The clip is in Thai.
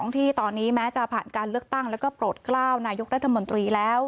ที่ตอนนี้แม้จะผ่านการเลือกตั้งแล้วก็โปรดกล้าวนายกรัฐมนตรีแล้ว